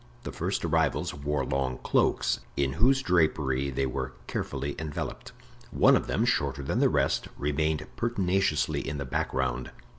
The first arrivals wore long cloaks, in whose drapery they were carefully enveloped; one of them, shorter than the rest, remained pertinaciously in the background.